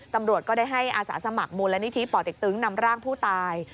ตำรวจก็ได้ให้อาสาสมัครมูลนิธิป่อเต็กตึงนำร่างผู้ตาย